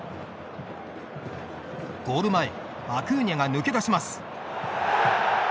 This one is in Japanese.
ゴール前アクーニャが抜け出します。